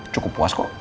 cukup puas kok